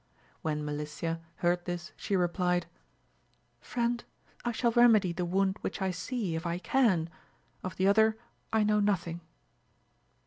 When Melicia heard this she replied. Friend I shall remedy the wound which I see, if I can ! of the other I know nothing.